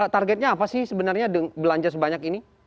targetnya apa sih sebenarnya belanja sebanyak ini